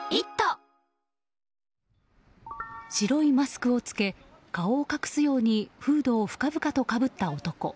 白いマスクを着け顔を隠すようにフードを深々とかぶった男。